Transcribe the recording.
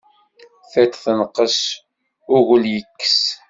Tiṭ tenqes, ugel ikkes.